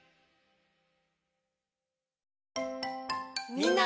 みんな！